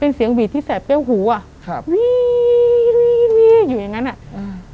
เป็นเสียงหวีดที่แสบแก้วหูอ่ะครับวีวีวีอยู่อย่างเงี้ยอ่ะอืม